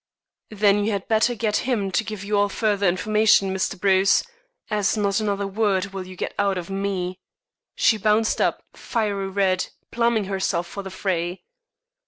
"Then you had better get him to give you all further information, Mr. Bruce, as not another word will you get out of me." She bounced up, fiery red, pluming herself for the fray.